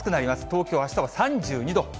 東京、あしたは３２度。